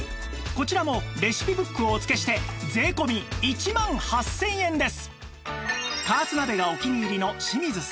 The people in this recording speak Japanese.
こちらもレシピブックをお付けして税込１万８０００円です